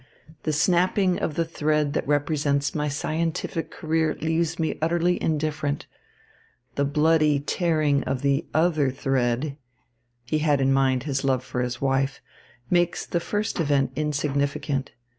The snapping of the thread that represents my scientific career leaves me utterly indifferent. The bloody tearing of the other thread" he had in mind his love for his wife "makes the first event insignificant.